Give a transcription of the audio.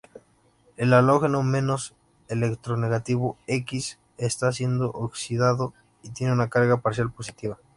El halógeno menos electronegativo, X, está siendo oxidado y tiene una carga parcial positiva.